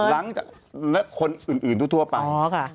แล้วคนอื่นทั่วไป